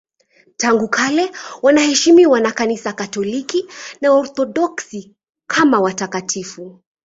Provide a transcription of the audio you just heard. Tangu kale wanaheshimiwa na Kanisa Katoliki na Waorthodoksi kama watakatifu.